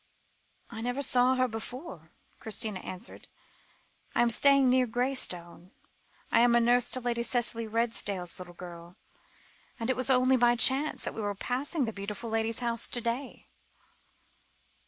"I never saw her before," Christina answered. "I am staying near Graystone. I am nurse to Lady Cicely Redesdale's little girl, and it was only by chance that we were passing the beautiful lady's house to day."